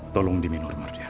tolong diminur mardian